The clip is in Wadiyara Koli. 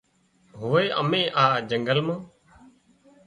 هوي امين آ جنگل مان